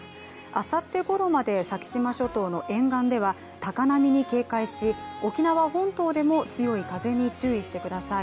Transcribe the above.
あさってごろまで先島諸島の沿岸では高波に警戒し沖縄本島でも強い風に注意してください。